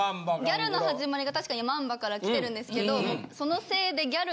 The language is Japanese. ギャルの始まりが確かにヤマンバから来てるんですけど。